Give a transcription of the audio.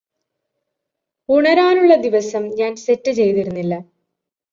ഉണരാനുള്ള ദിവസം ഞാന് സെറ്റ് ചെയ്തിരുന്നില്ല